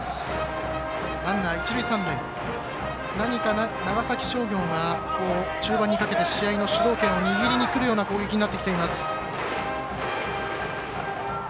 何か、長崎商業が中盤にかけて試合の主導権を握りにくるような攻撃になってきています。